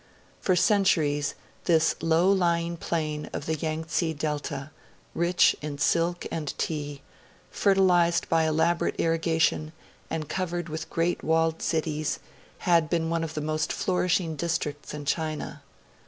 For centuries this low lying plain of the Yangtse delta, rich in silk and tea, fertilised by elaborate irrigation, and covered with great walled cities, had been one of the most flourishing districts in China.